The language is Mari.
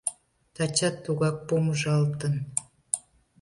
Тачат тугак помыжалтын.